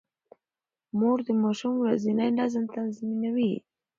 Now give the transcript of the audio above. مور د ماشوم ورځنی نظم تنظيموي.